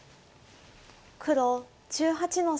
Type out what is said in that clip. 黒１８の三。